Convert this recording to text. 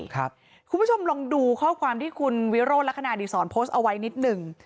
คุณผู้ชมลองดูข้อความที่คุณวิโรธลักษณะดีศรโพสต์เอาไว้นิดหนึ่ง